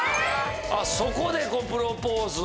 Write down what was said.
そこでプロポーズを？